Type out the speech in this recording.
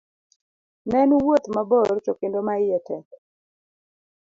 Ne en wuoth mabor to kendo ma iye tek